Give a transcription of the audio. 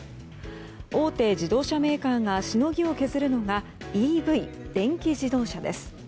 大手自動車メーカーがしのぎを削るのがＥＶ・電気自動車です。